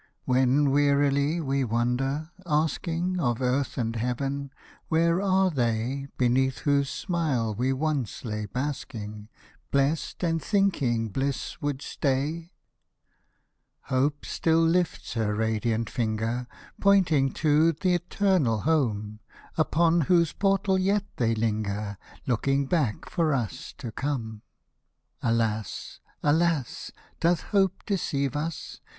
When wearily we wander, asking Of earth and heaven, where are they. Beneath whose smile we once lay basking, Blest, and thinking bliss would stay ? Hope still lifts her radiant finger Pointing to th' eternal Home, Upon whose portal yet they linger, Looking back for us to come. Hosted by Google IS IT NOT SWEET TO THINK, HEREAFTER 57 Alas, alas — doth Hope deceive us?